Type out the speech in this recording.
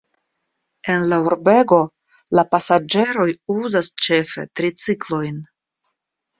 En la urbego la pasaĝeroj uzas ĉefe triciklojn.